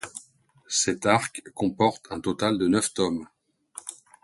Cet arc comporte un total de neuf tomes.